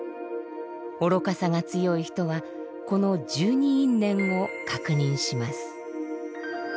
愚かさが強い人はこの十二因縁を確認します。